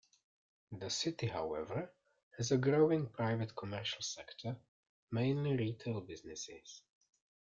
The city however, has a growing private commercial sector, mainly retail businesses.